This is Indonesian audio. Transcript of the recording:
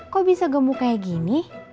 kok bisa gemuk kayak gini